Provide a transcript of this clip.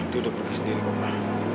dia udah pergi sendiri ma